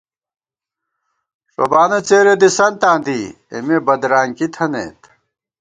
ݭوبانہ څېرےدِسنتاں دی، اېمےبدرانکی تھنَئیت